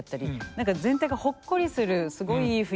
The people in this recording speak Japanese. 何か全体がほっこりするすごいいい雰囲気で。